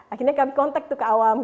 akhirnya kami kontak tuh ke awam